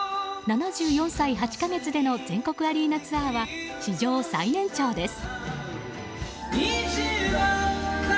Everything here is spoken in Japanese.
７４歳８か月での全国アリーナツアーは史上最年長です。